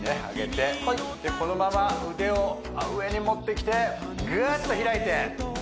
上げてこのまま腕を上に持ってきてぐーっと開いて